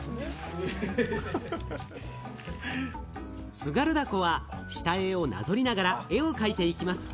津軽凧は下絵をなぞりながら絵を描いていきます。